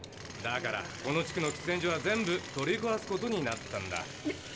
だからこの地区の喫煙所は全部取りこわすことになったんだ。